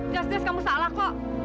justice kamu salah kok